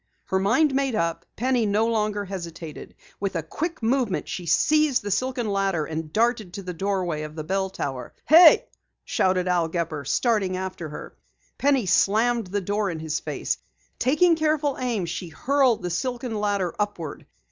Her mind made up, Penny no longer hesitated. With a quick movement she seized the silken ladder and darted to the doorway of the bell tower. "Hey!" shouted Al Gepper, starting after her. Penny slammed the door in his face. Taking careful aim, she hurled the silken ladder upward.